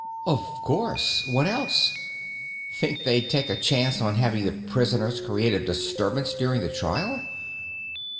"Of course. What else? Think they'd take a chance on having the prisoners creating a disturbance during the trial?"